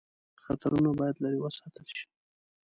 خطرونه باید لیري وساتل شي.